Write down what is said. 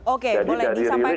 oke boleh disampaikan pak